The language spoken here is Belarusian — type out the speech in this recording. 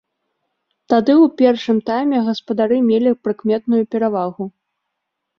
Тады ў першым тайме гаспадары мелі прыкметную перавагу.